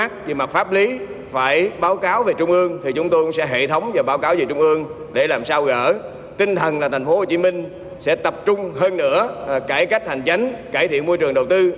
tp hcm sẽ tập trung hơn nữa cải cách hành chánh cải thiện môi trường đầu tư